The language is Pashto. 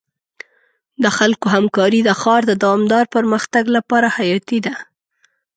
د خلکو همکاري د ښار د دوامدار پرمختګ لپاره حیاتي ده.